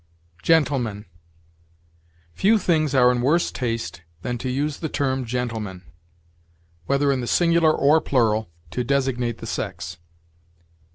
GENTLEMAN. Few things are in worse taste than to use the term gentleman, whether in the singular or plural, to designate the sex.